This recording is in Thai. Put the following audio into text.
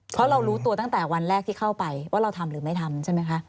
เพราะเรารู้ตัวตั้งแต่วันแรกที่เข้าไปว่าเราทำหรือไม่ทำใช่ไหมคะ